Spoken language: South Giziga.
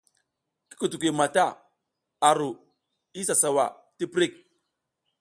Ki kutukuy mata a ru isa sawa ti prik.